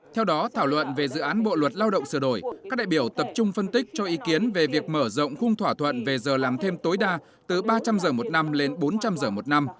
theo đó thảo luận về dự án bộ luật lao động sửa đổi các đại biểu tập trung phân tích cho ý kiến về việc mở rộng khung thỏa thuận về giờ làm thêm tối đa từ ba trăm linh giờ một năm lên bốn trăm linh giờ một năm